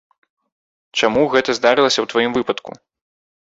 Чаму гэта здарылася ў тваім выпадку?